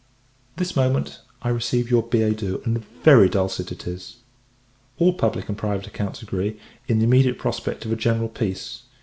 This moment I receive your billet doux, and very dulcet it is! All public and private accounts agree, in the immediate prospect of a general peace.